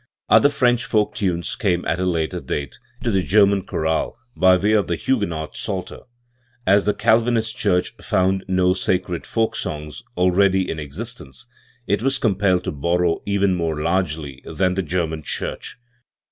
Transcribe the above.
* Other French folk times came at a later dale into the German chorale by way of the Huguenot Psalter, As the Calvinist church found no sacred folk songs already in existence, it was compelled to borrow even more largely than the German Church.